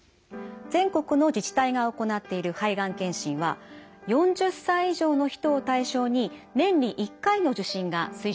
全国の自治体が行っている肺がん検診は４０歳以上の人を対象に年に１回の受診が推奨されています。